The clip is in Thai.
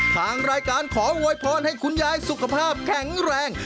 ทางรายการขอโวยพรให้คุณยายสุขภาพแข็งแรง